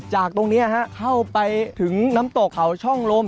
จากตรงนี้เข้าไปถึงน้ำตกเขาช่องลม